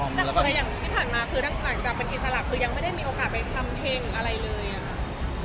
แต่อย่างที่ผ่านมาคือหลังจากเป็นอิสระคือยังไม่ได้มีโอกาสไปทำเพลงหรืออะไรเลยอะค่ะ